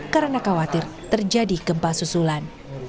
karena khawatir terjadi gempa susulan